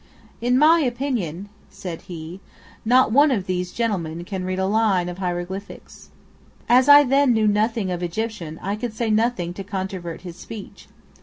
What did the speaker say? "In my opinion," said he, "not one of these gentlemen can read a line of hieroglyphics." As I then knew nothing of Egyptian, I could say nothing to controvert this speech.